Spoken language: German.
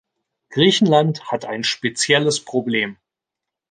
Griechenland hat ein spezielles Problem.